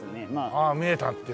ああ見えたっていう。